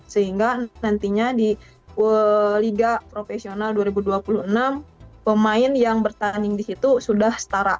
sehingga nantinya di liga profesional dua ribu dua puluh enam pemain yang bertanding di situ sudah setara